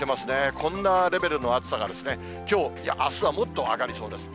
こんなレベルの暑さがきょう、いや、あすはもっと上がりそうです。